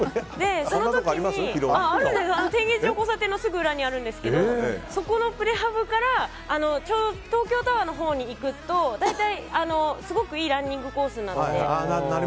天現寺の交差点のすぐそばにあるんですけどそこのプレハブから東京タワーのほうに行くと大体、すごくいいランニングコースなので。